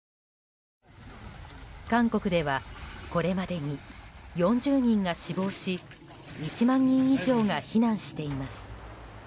韓国ではこれまでに４０人が死亡し１万人以上が避難しています。